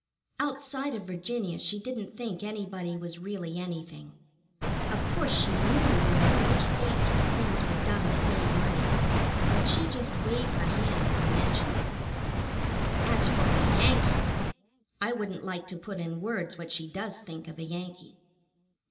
Outside of Virginia she didn't think anybody was really anything. Of course, she knew there were other states where things were done that made money, but she'd just wave her hand if you mentioned them. As for a Yankee! I wouldn't like to put in words what she does think of a Yankee.